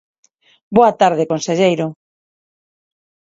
Boa tarde, conselleiro.